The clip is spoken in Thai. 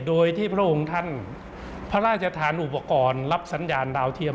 โดยที่พระองค์ท่านพระราชทานอุปกรณ์รับสัญญาณดาวเทียม